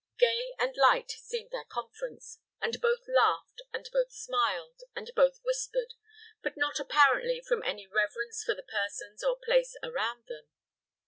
Gay and light seemed their conference; and both laughed, and both smiled, and both whispered, but not apparently from any reverence for the persons or place around them.